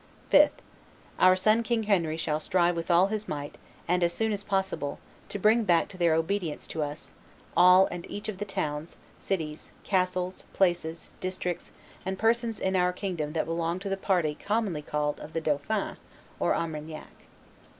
5th. Our son King Henry shall strive with all his might, and as soon as possible, to bring back to their obedience to us, all and each of the towns, cities, castles, places, districts, and persons in our kingdom that belong to the party commonly called of the dauphin or Armagnac."